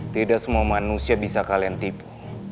tidak semua manusia bisa kalian tipu